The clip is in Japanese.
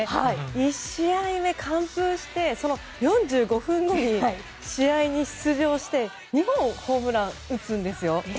１試合目、完封してその４５分後に試合に出場して２本ホームラン打つんですよ。